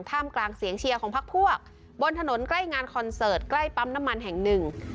ท่ามกลางเสียงเชียร์ของพักพวกบนถนนใกล้งานคอนเสิร์ตใกล้ปั๊มน้ำมันแห่งหนึ่ง